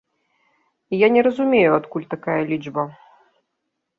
Я не разумею, адкуль такая лічба.